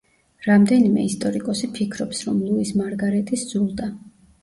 რამდენიმე ისტორიკოსი ფიქრობს, რომ ლუის მარგარეტი სძულდა.